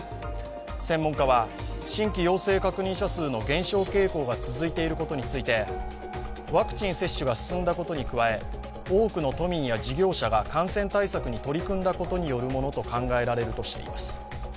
専門家は、新規陽性確認者数の減少傾向が続いていることについてワクチン接種が進んだことに加え、多くの都民や事業者が感染対策に取り組んだことによるものと考えられるとしています。